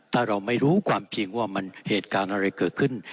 ถ้าเราไม่รู้ความจริงว่ามันเหตุการณ์อะไรเกิดขึ้น